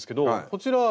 こちら。